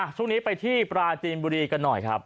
ช่วงนี้ไปที่ปราจีนบุรีกันหน่อยครับ